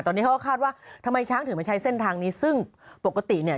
ตอนนี้เขาก็คาดว่าทำไมช้างถึงมาใช้เส้นทางนี้ซึ่งปกติเนี่ย